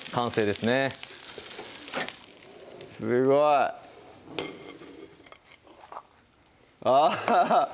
すごいあぁ